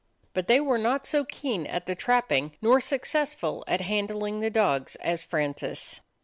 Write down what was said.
But they were not so keen at the trapping nor so successful at handling the dogs as Francis.